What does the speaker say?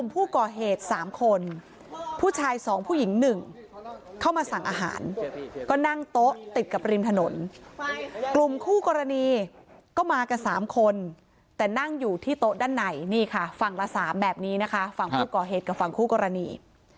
ผู้ก่อเหตุ๓คนผู้ชาย๒ผู้หญิง๑เข้ามาสั่งอาหารก็นั่งโต๊ะติดกับริมถนนกลุ่มคู่กรณีก็มากัน๓คนแต่นั่งอยู่ที่โต๊ะด้านในนี่ค่ะฝั่งละ๓แบบนี้นะคะฝั่งผู้ก่อเหตุกับฝั่งคู่กรณี